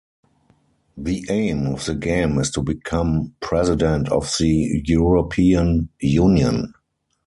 The aim of the game is to become President of the European Union.